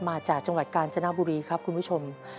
มาจากจังหวัดกาญจนบุรีครับคุณผู้ชม